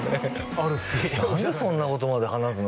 あるって何でそんなことまで話すの？